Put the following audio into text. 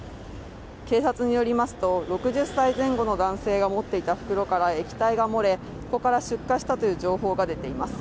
警察によりますと、６０歳前後の男性が持っていた袋から液体が漏れ、そこから出火したという情報が出ています。